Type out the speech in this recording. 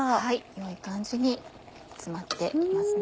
良い感じに煮詰まってますね。